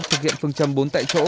thực hiện phương trầm bốn tại chỗ